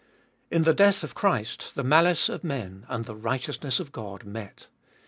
In the death of Christ the malice of men and the righteousness of God met.